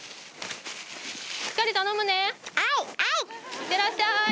いってらっしゃい！